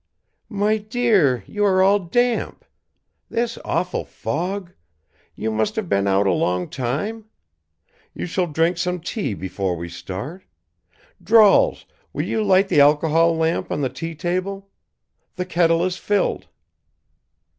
"My dear, you are all damp! This awful fog! You must have been out a long time? You shall drink some tea before we start. Drawls, will you light the alcohol lamp on the tea table? The kettle is filled."